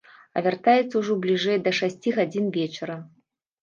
А вяртаецца ўжо бліжэй да шасці гадзін вечара.